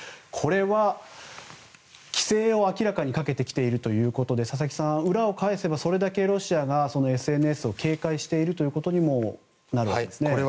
これは、規制を明らかにかけてきているということで佐々木さん裏を返せばそれだけロシアがＳＮＳを警戒しているということにもなるんですね。